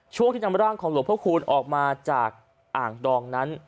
ช่วงที่นำร่างของหลวงพระคูณออกมาจากอ่างดองนั้น